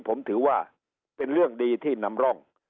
ผมถือว่าเป็นเรื่องดีที่นำร่อง